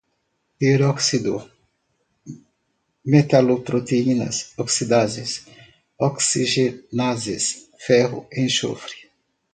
peróxido, metaloproteínas, oxidases, oxigenases, ferro-enxofre